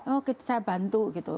oh saya bantu gitu